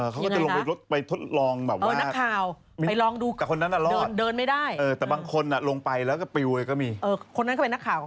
ขนาดอเมริกาอย่างงี้นะครับคุณมันแรงมาก